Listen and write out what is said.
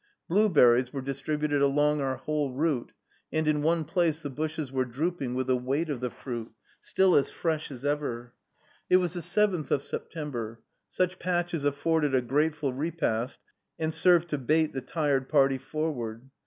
Blueberries were distributed along our whole route; and in one place the bushes were drooping with the weight of the fruit, still as fresh as ever. It was the 7th of September. Such patches afforded a grateful repast, and served to bait the tired party forward.